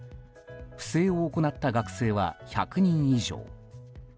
不正を行った学生は１００人以上。